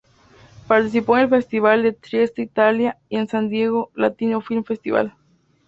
Participó en el festival de Trieste Italia y en San Diego Latino Film Festival.